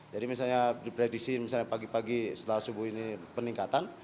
jadi misalnya diprediksi misalnya pagi pagi setelah subuh ini peningkatan